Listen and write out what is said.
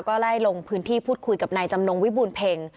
ก็ไล่ลงพื้นที่พูดคุยกับนายจำนงวิบูรเพ็ง